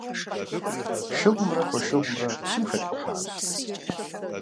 Шыгъумрэ фошыгъумрэ псым хэткӀухьащ.